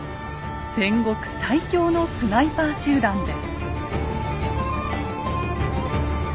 戦国最強のスナイパー集団です。